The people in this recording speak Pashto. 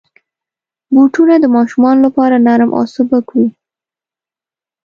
بوټونه د ماشومانو لپاره نرم او سپک وي.